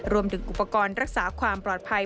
รวมถึงอุปกรณ์รักษาความปลอดภัย